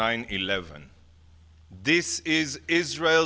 ini adalah sembilan sebelas israel